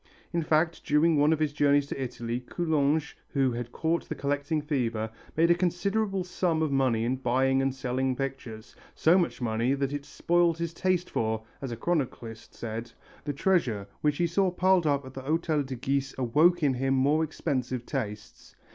In fact during one of his journeys to Italy, Coulanges, who had caught the collecting fever, made a considerable sum of money in buying and selling pictures, so much money that it spoilt his taste for, as a chroniclist says, "The treasure, which he saw piled up at the Hotel de Guise awoke in him more expensive tastes."